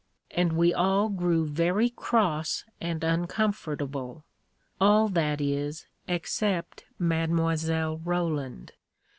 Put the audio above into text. And we all grew very cross and uncom fortable. All, that is, except Mile. Roland.